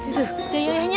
itu itu ilahnya